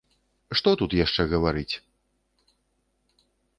Што тут яшчэ гаварыць?